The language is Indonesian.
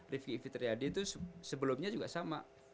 rifki fitriadi itu sebelumnya juga sama